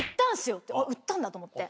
あっ売ったんだと思って。